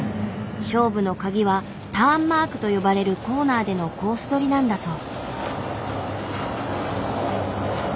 勝負のカギは「ターンマーク」と呼ばれるコーナーでのコース取りなんだそう。